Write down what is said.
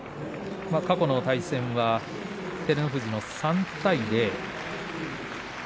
過去の対戦は照ノ富士の３対０。